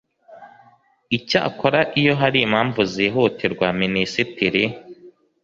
icyakora iyo hari impamvu zihutirwa minisitiri